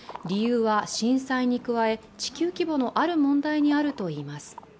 理由は震災に加え地球規模のある問題にあるといいます。